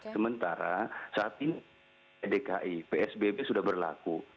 sementara saat ini dki psbb sudah berlaku